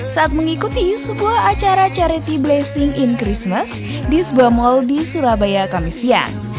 saat mengikuti sebuah acara charity blessing in christmas di sebuah mal di surabaya kamisia